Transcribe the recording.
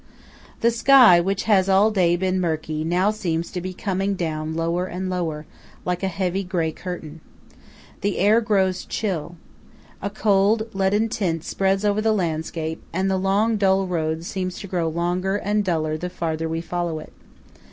The sky, which has all day been murky, now seems to be coming down lower and lower, like a heavy grey curtain. The air grows chill. A cold leaden tint spreads over the landscape; and the long dull road seems to grow longer and duller the farther we follow it.